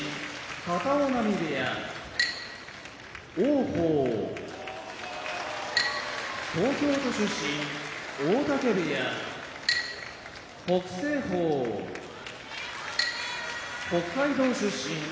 片男波部屋王鵬東京都出身大嶽部屋北青鵬北海道出身宮城野部屋